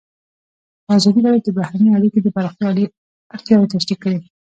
ازادي راډیو د بهرنۍ اړیکې د پراختیا اړتیاوې تشریح کړي.